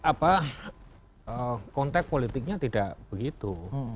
apa konteks politiknya tidak begitu